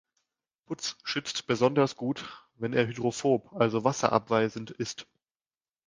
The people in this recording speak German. Putz schützt besonders gut, wenn er hydrophob, also wasserabweisend ist.